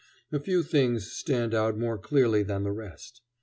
A few things stand out more clearly than the rest.